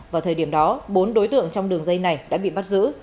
vào thời điểm đó bốn đối tượng trong đường dây này đã bị bắt giữ